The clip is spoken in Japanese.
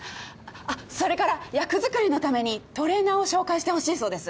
それから役作りのためにトレーナーを紹介してほしいそうです。